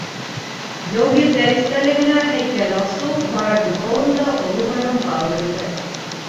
Яугирҙәр иҫтәлегенә һәйкәл асыу Воробьев ауылында оло байрамға әүерелде.